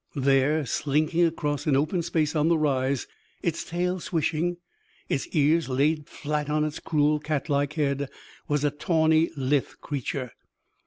There, slinking across an open space on the rise, its tail swishing its ears laid flat on its cruel, cat like head, was a tawny, lithe creature.